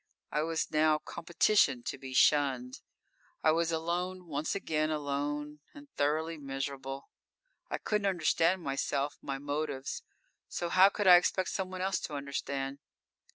I was now competition to be shunned. I was alone once again alone and thoroughly miserable. I couldn't understand myself, my motives, so how could I expect someone else to understand?